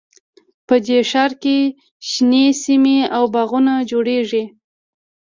په دې ښار کې شنې سیمې او باغونه جوړیږي